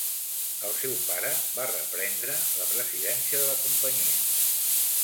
El seu pare va reprendre la presidència de la companyia.